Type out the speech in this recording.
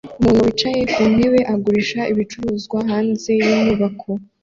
Umuntu wicaye ku ntebe agurisha ibicuruzwa hanze yinyubako